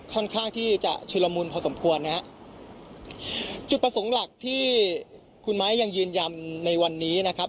ค่อนข้างที่จะชุลมูลพอสมควรนะฮะจุดประสงค์หลักที่คุณไม้ยังยืนยันในวันนี้นะครับ